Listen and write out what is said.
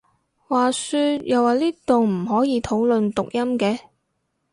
話說又話呢度唔可以討論讀音嘅？